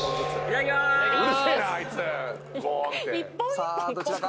さあどちらか。